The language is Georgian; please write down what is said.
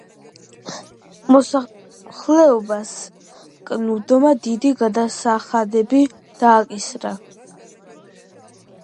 მოსახლეობას კნუდმა დიდი გადასახადები დააკისრა.